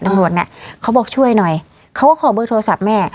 ตำรวจเนี้ยเขาบอกช่วยหน่อยเขาก็ขอเบอร์โทรศัพท์แม่